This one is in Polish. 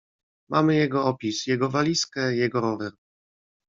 "Mamy jego opis, jego walizkę, jego rower."